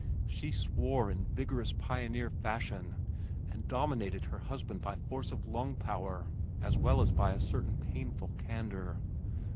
She swore in vigorous pioneer fashion, and dominated her husband by force of lung power as well as by a certain painful candor.